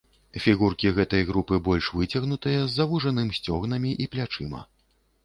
Фігуркі гэтай групы больш выцягнутыя, з завужаным сцёгнамі і плячыма.